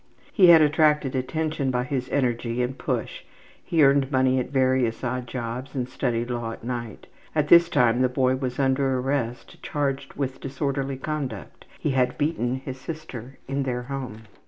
He had attracted attention by his energy and push; he earned money at various odd jobs and studied law at night. At this time the boy was under arrest charged with disorderly conduct; he had beaten his sister in their home.